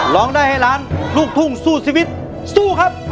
ร้องได้ให้ล้านลูกทุ่งสู้ชีวิตสู้ครับ